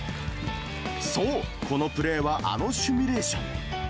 そう、このプレーは、あのシミュレーション。